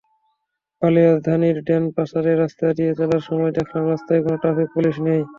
বালির রাজধানী ড্যানপাসারের রাস্তা দিয়ে চলার সময় দেখলাম, রাস্তায় কোনো ট্রাফিক পুলিশ নেই।